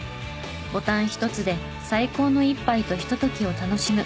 ボタンひとつで最高の一杯とひとときを楽しむ。